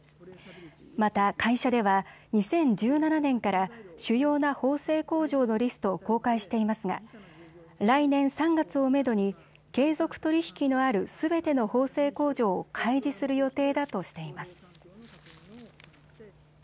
また会社では２０１７年から主要な縫製工場のリストを公開していますが来年３月をめどに継続取り引きのあるすべての縫製工場を開示する予定だとしています。